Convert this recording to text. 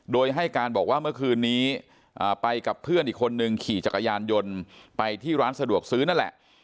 โดยให้การบอกว่าเมื่อคืนนี้ไปกับเพื่อนอีกคนนึงขี่จักรยานยนต์ไปที่ร้านสะดวกซื้อนั่นแหละ